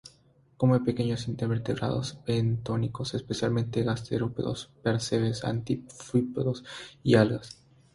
Come pequeños invertebrados bentónicos, especialmente gasterópodos, percebes, anfípodos y algas.